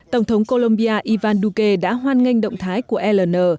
tổng thống colombia ivan duque đã hoan nghênh động thái của ln